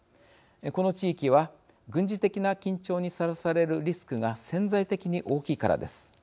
この地域は軍事的な緊張にさらされるリスクが潜在的に大きいからです。